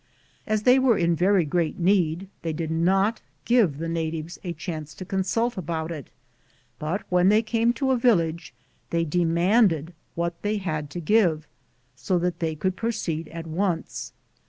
As they were in very great need, they did not give the natives a chance to consult about it, hut when they came to a village they demanded what they had to give, so that they could proceed at once.